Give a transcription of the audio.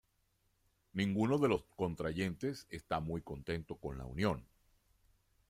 Ninguno de los contrayentes está muy contento con la unión.